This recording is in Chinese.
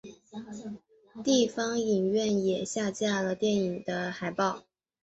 地方影院也下架了电影的海报。